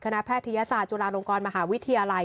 แพทยศาสตร์จุฬาลงกรมหาวิทยาลัย